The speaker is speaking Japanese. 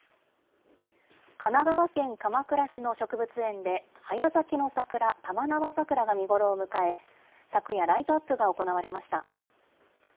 神奈川県鎌倉市の植物園で、早咲きの桜、玉縄桜が見頃を迎え、昨夜、ライトアップが行われました。